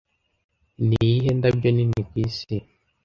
Niyihe ndabyo nini kwisi